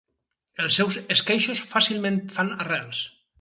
Els seus esqueixos fàcilment fan arrels.